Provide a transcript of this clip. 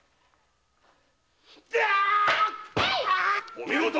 お見事！